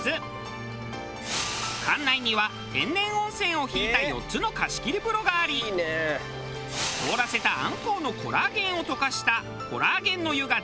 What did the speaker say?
館内には天然温泉を引いた４つの貸し切り風呂があり凍らせたあんこうのコラーゲンを溶かしたコラーゲンの湯が大人気。